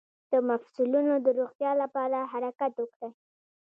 د مفصلونو د روغتیا لپاره حرکت وکړئ